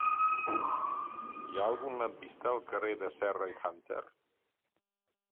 Hi ha algun lampista al carrer de Serra i Hunter?